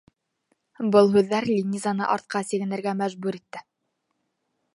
Был һүҙҙәр Линизаны артҡа сигенергә мәжбүр итте.